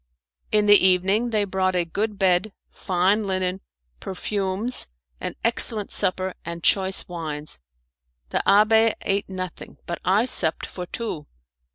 In the evening they brought a good bed, fine linen, perfumes, an excellent supper, and choice wines. The abbé ate nothing, but I supped for two.